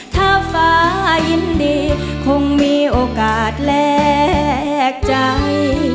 ถ้าฟ้ายินดีคงมีโอกาสแลกใจ